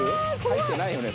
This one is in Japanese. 「入ってないよね？